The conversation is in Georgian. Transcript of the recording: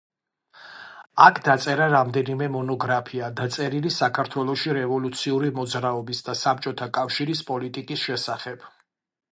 იქ დაწერა რამდენიმე მონოგრაფია და წერილი საქართველოში რევოლუციური მოძრაობის და საბჭოთა კავშირის პოლიტიკის შესახებ.